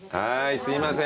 すいません